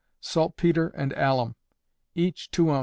Saltpetre and alum, each 2 oz.